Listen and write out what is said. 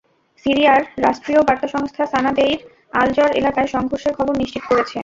সিরিয়ার রাষ্ট্রীয় বার্তা সংস্থা সানা দেইর আল-জর এলাকায় সংঘর্ষের খবর নিশ্চিত করেছে।